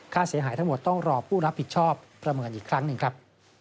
ค่าเสียหายทั้งหมดต้องรอผู้รับผิดชอบประเมินอีกครั้งหนึ่งครับ